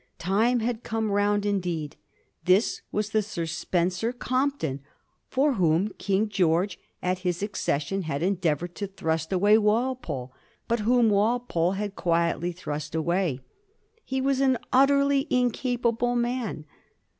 Time had come round in deed — this was the Sir Spencer Compton for whom King George at his accession had endeavored to thrust away Walpole, but whom Walpole had quietly thrust away. He was an utterly incapable man.